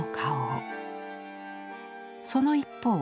その一方